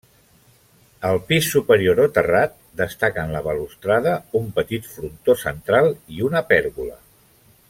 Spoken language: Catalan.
Al pis superior o terrat, destaquen la balustrada, un petit frontó central i una pèrgola.